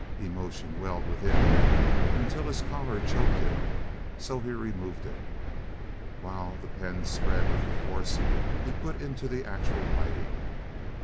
Emotion welled within him until his collar choked him, so he removed it, while the pen spread with the force he put into the actual writing.